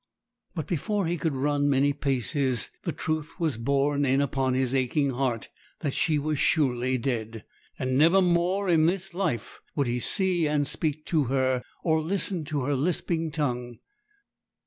But before he could run many paces the truth was borne in upon his aching heart that she was surely dead; and never more in this life would he see and speak to her, or listen to her lisping tongue.